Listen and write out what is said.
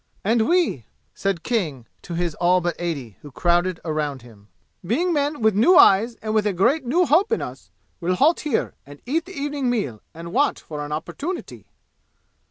"And we," said King to his all but eighty who crowded around him, "being men with new eyes and with a great new hope in us, will halt here and eat the evening meal and watch for an opportunity."